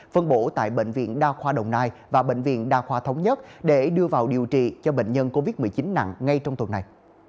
phân bổ tại bệnh viện đa khoa đồng nai và bệnh viện đa khoa thống nhất để đưa vào điều trị cho bệnh nhân covid một mươi chín nặng ngay trong tuần này